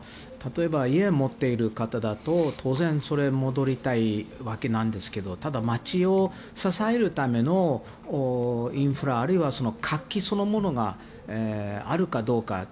例えば家を持っている方だと当然、それに戻りたいわけなんですけどただ、町を支えるためのインフラあるいは活気そのものがあるかどうか。